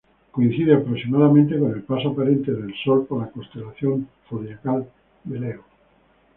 Coincide aproximadamente con el paso aparente del Sol por la constelación zodiacal de Leo.